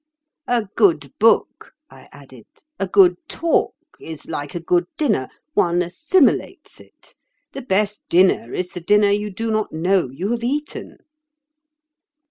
"A good book," I added—"a good talk is like a good dinner: one assimilates it. The best dinner is the dinner you do not know you have eaten."